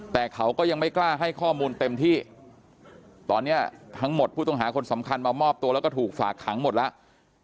แต่เขาก็ยังไม่กล้าให้ข้อมูลเต็มที่ตอนนี้ทั้งหมดผู้ต้องหาคนสำคัญมามอบตัวแล้วก็ถูกฝากขังหมดแล้ว